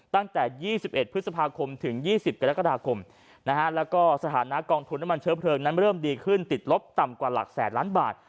ตั้งแต่๒๑พฤษภาคมถึง๒๐กรกฎาคมแล้วก็สถานะกองทุนน้ำมันเชื้อเพลิงนั้นเริ่มดีขึ้นติดลบต่ำกว่าหลักแสนล้านบาท